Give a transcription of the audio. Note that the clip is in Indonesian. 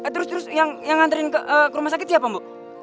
terus terus yang nganterin ke rumah sakit siapa bu